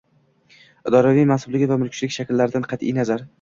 idoraviy mansubligi va mulkchilik shakllaridan qat’i nazar